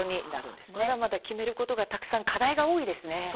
まだまだ決めることはたくさん課題が多いですね。